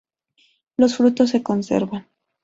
Los frutos se conservan.